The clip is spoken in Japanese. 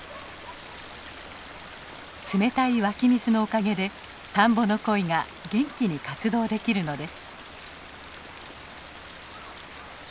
冷たい湧き水のおかげで田んぼのコイが元気に活動できるのです。